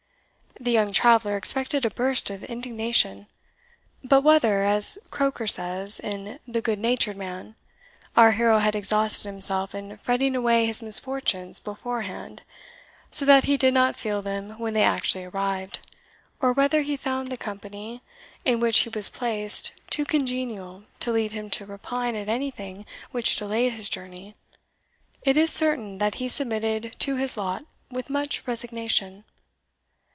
The young traveller expected a burst of indignation; but whether, as Croaker says in "The Good natured Man," our hero had exhausted himself in fretting away his misfortunes beforehand, so that he did not feel them when they actually arrived, or whether he found the company in which he was placed too congenial to lead him to repine at anything which delayed his journey, it is certain that he submitted to his lot with much resignation.